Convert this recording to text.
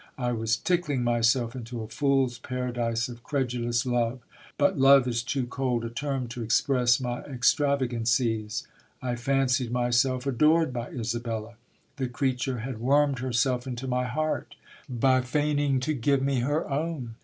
I was tickling myself into a fool's paradise of credulous love. But love is too cold a term to express my extrava gancies. I fancied myself adored by Isabella. The creature had wormed her self into my heart by feigning to give me her own.